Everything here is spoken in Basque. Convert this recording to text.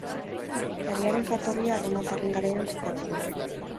Herriaren jatorria erromatarren garaian kokatzen da.